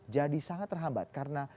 jadi sangat terhambat karena